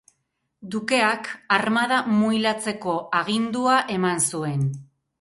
Dukeak Armada muilatzeko agindua eman zuen.